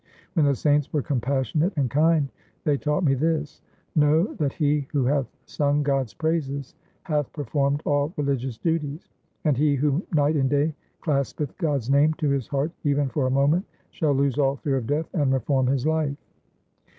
When the saints were compassionate and kind they taught me this — Know that he who hath sung God's praises hath performed all religious duties ; And he who night and day claspeth God's name to his heart, even for a moment, Shall lose all fear of Death and reform his life.